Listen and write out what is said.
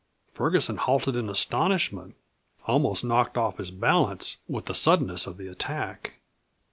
Ferguson halted in astonishment, almost knocked off his balance with the suddenness of the attack.